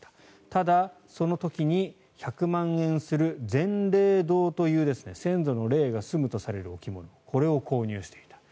ただ、その時に１００万円する善霊堂という先祖の霊がすむとされる置物これを購入していた。